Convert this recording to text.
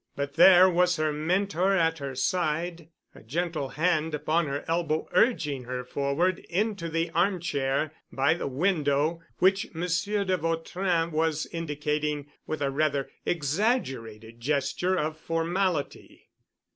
But there was her mentor at her side, a gentle hand upon her elbow urging her forward into the arm chair by the window, which Monsieur de Vautrin was indicating with a rather exaggerated gesture of formality.